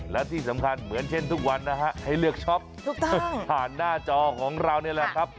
และที่สำคัญเหมือนเช่นทุกวันนะฮะให้เลือกช็อปผ่านหน้าจอของเรานี่แหละครับ